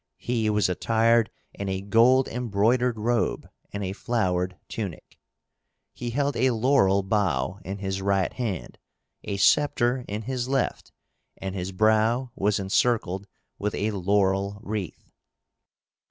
He was attired in a gold embroidered robe, and a flowered tunic; he held a laurel bough in his right hand, a sceptre in his left, and his brow was encircled with a laurel wreath.